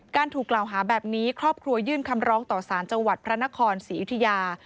ถูกกล่าวหาแบบนี้ครอบครัวยื่นคำร้องต่อสารจังหวัดพระนครศรีอยุธยา